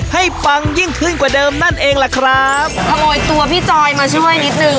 ปังยิ่งขึ้นกว่าเดิมนั่นเองล่ะครับขโมยตัวพี่จอยมาช่วยนิดหนึ่ง